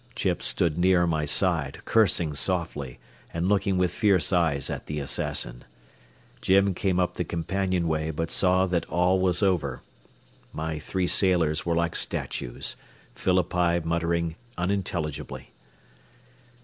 Chips stood near my side, cursing softly, and looking with fierce eyes at the assassin. Jim came up the companionway, but saw that all was over. My three sailors were like statues, Phillippi muttering unintelligibly.